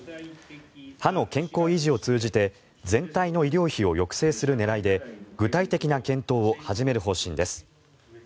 歯の健康維持を通じて全体の医療費を抑制する狙いで具体的な検討を始める方針です。